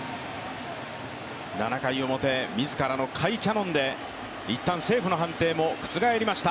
７回表、自らの甲斐キャノンで一回セーフの判定も覆りました。